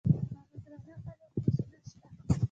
هغه درانه خلګ اوس نشته.